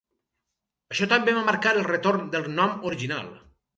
Això també va marcar el retorn del nom original.